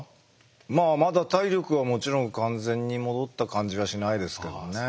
まあまだ体力はもちろん完全に戻った感じはしないですけどね。